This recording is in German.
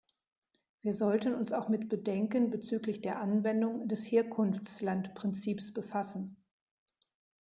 Wir sollten uns auch mit Bedenken bezüglich der Anwendung des Herkunftslandprinzips befassen.